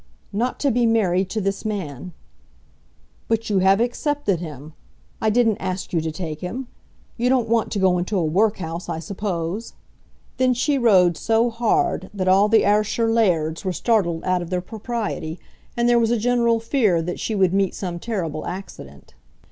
"Not to be married to this man." "But you have accepted him. I didn't ask you to take him. You don't want to go into a workhouse, I suppose?" Then she rode so hard that all the Ayrshire lairds were startled out of their propriety, and there was a general fear that she would meet some terrible accident.